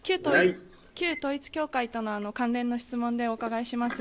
旧統一教会との関連の質問でお伺いします。